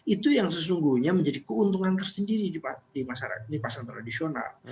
itu yang sesungguhnya menjadi keuntungan tersendiri di pasar tradisional